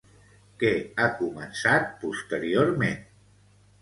Què ha començat posteriorment?